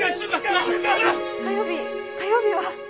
火曜日火曜日は。